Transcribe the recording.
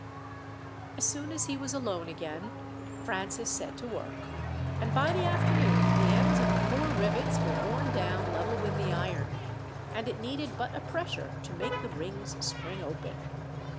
As soon as he was alone again, Francis set to work, and by the afternoon the ends of the four rivets were worn down level with the iron, and it needed but a pressure to make the rings spring open.